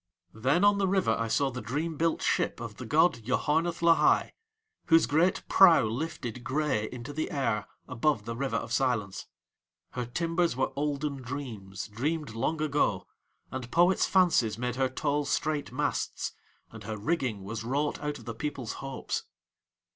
Then on the River I saw the dream built ship of the god Yoharneth Lahai, whose great prow lifted grey into the air above the River of Silence. Her timbers were olden dreams dreamed long ago, and poets' fancies made her tall, straight masts, and her rigging was wrought out of the people's hopes.